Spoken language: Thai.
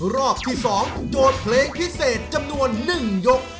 รอบที่๒โจทย์เพลงพิเศษจำนวน๑ยก